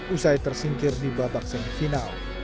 usai tersingkir di babak semifinal